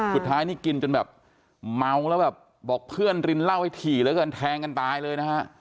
สุดท้ายนี่กินจนแบบเมาแล้วแบบบอกเพื่อนรินเหล้าให้ถี่แล้วกันแทงกันตายเลยนะฮะ